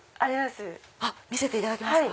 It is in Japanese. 見せていただけますか？